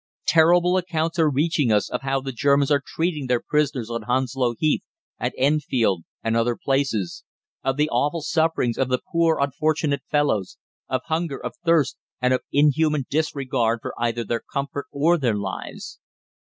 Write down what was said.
Terrible accounts are reaching us of how the Germans are treating their prisoners on Hounslow Heath, at Enfield, and other places; of the awful sufferings of the poor unfortunate fellows, of hunger, of thirst, and of inhuman disregard for either their comfort or their lives.